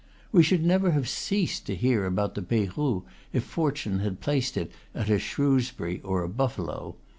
We should never have ceased to hear about the Peyrou, if fortune had placed it at a Shrewsbury or a Buffalo.